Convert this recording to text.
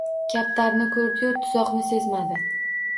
Kaptarni koʻrdi-yu, tuzoqni sezmadi